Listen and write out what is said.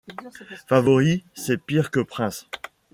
Favori, c’est pire que prince.